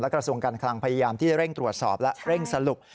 กระทรวงการคลังพยายามที่จะเร่งตรวจสอบและเร่งสรุป